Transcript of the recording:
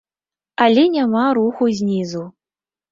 Але няма руху знізу.